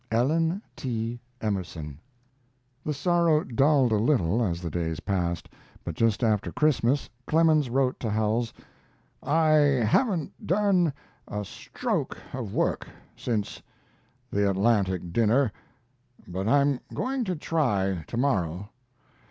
ELLEN T. EMERSON. The sorrow dulled a little as the days passed. Just after Christmas Clemens wrote to Howells: I haven't done a stroke of work since the Atlantic dinner. But I'm going to try to morrow.